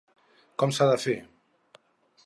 Com s’ha de fer?